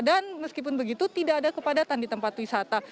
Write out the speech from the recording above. dan meskipun begitu tidak ada kepadatan di tempat wisata